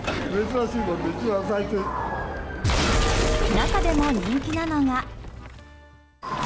中でも人気なのが。